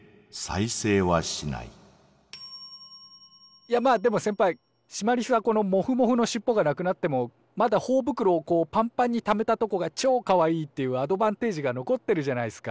いやまあでも先ぱいシマリスはこのモフモフのしっぽがなくなってもまだほおぶくろをこうパンパンにためたとこがちょかわいいっていうアドバンテージが残ってるじゃないっすか。